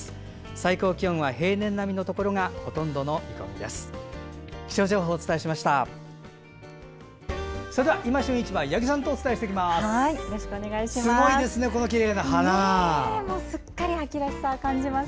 最高気温は平年並みのところがほとんどの見込みです。